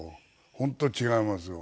本当違いますよ。